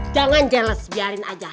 jangan jeles biarin aja